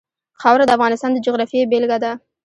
خاوره د افغانستان د جغرافیې بېلګه ده.